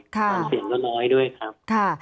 ความเสี่ยงก็น้อยด้วยครับ